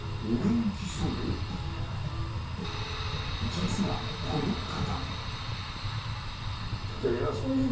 実はこの方